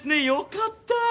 よかった。